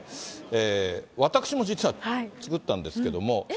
私も実は作ったんですけれども。